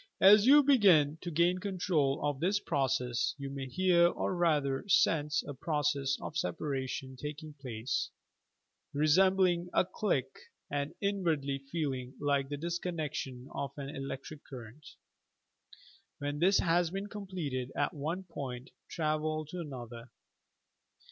As you begin to gain control of this process, you may hear or rather "sense" a process of separation taking place, resembling a "click," and inwardly feeling like the disconnection of an electric current. When this has been completed at one point, travel to another.